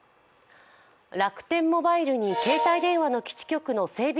楽天モバイルに携帯電話の基地局の整備